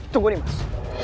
tunggu nih mas